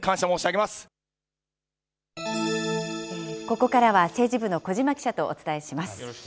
ここからは政治部の小嶋記者とお伝えします。